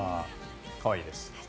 可愛いです。